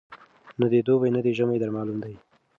نه دي دوبی نه دي ژمی در معلوم دی